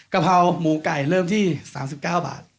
กะเพราหมูไก่เริ่มที่๓๙บาท